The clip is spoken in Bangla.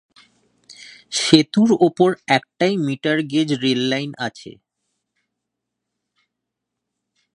সেতুর ওপর একটাই মিটার গেজ রেললাইন আছে।